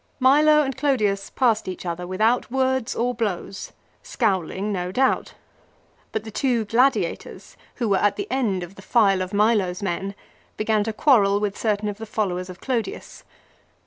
Milo and Clodius passed each other without words or blows, scowling no doubt ; but the two gladiators, who were at the end of the file of Milo's men, began to quarrel with certain of the followers of Clodius.